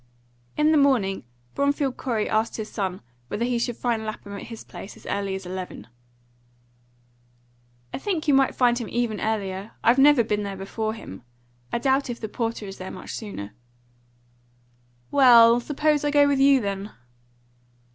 In the morning Bromfield Corey asked his son whether he should find Lapham at his place as early as eleven. "I think you might find him even earlier. I've never been there before him. I doubt if the porter is there much sooner." "Well, suppose I go with you, then?"